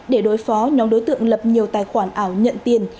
để đối phó nhóm đối tượng lập nhiều tài khoản ảo nhận tiền